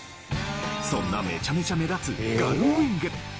そんなめちゃめちゃ目立つガルウィング